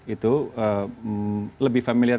itu lebih familiar